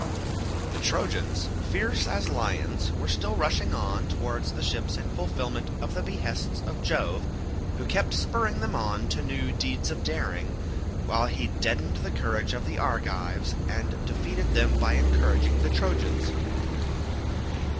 The Trojans, fierce as lions, were still rushing on towards the ships in fulfilment of the behests of Jove who kept spurring them on to new deeds of daring, while he deadened the courage of the Argives and defeated them by encouraging the Trojans.